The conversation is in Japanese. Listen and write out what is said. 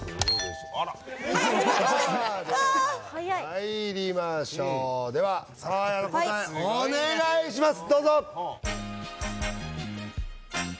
まいりましょうではサーヤの答えお願いします